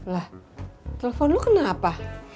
lah telepon lo kenapa